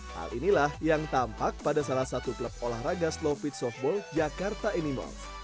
hal inilah yang tampak pada salah satu klub olahraga slow pitch softball jakarta animals